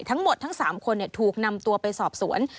ทั้งหมดทั้ง๓คนถูกนำตัวไปสอบสวน